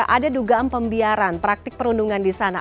ada dugaan pembiaran praktik perundungan di sana